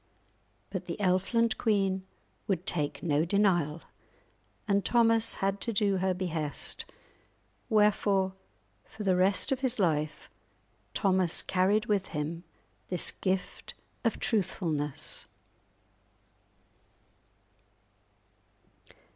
But the Elfland queen would take no denial, and Thomas had to do her behest, wherefore for the rest of his life Thomas carried with him this gift of truthfulness.